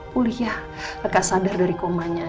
pulih ya lekas sadar dari komanya